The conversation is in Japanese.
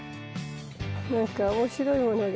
なんか面白いものが。